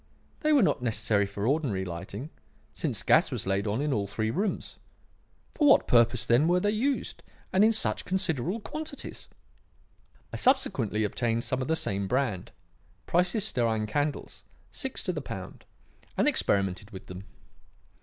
They were not necessary for ordinary lighting, since gas was laid on in all three rooms. For what purpose, then, were they used, and in such considerable quantities? I subsequently obtained some of the same brand Price's stearine candles, six to the pound and experimented with them.